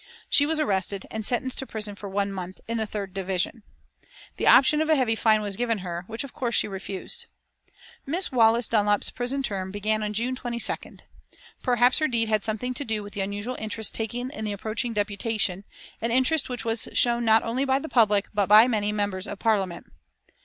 She was arrested and sentenced to prison for one month, in the third division. The option of a heavy fine was given her, which of course she refused. Miss Wallace Dunlop's prison term began on June 22d. Perhaps her deed had something to do with the unusual interest taken in the approaching deputation, an interest which was shown not only by the public but by many members of Parliament.